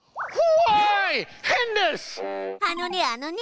あのね